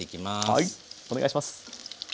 はいお願いします。